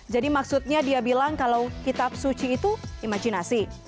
jadi maksudnya dia bilang kalau kitab suci itu imajinasi